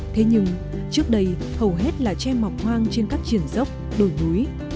thế nhưng trước đây hầu hết là tre mọc hoang trên các triển dốc đồi núi